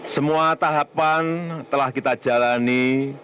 semua tahapan telah kita jalani